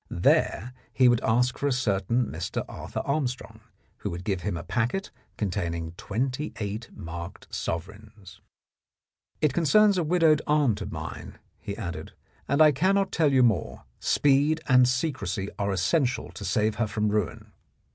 There he would ask for a certain Mr. Arthur Armstrong, who would give him a packet containing twenty eight marked sovereigns. " It concerns a widowed aunt of mine," he added, "and I cannot tell you more. Speed and secrecy are essential to save her from ruin."